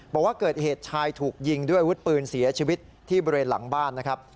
บอกว่าเกิดเหตุชายถูกยิงด้วยอาวุธปืนเสียชีวิตที่บริเวณหลังบ้านนะครับ